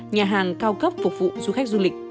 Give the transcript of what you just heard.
nhà hàng cao cấp phục vụ du khách du lịch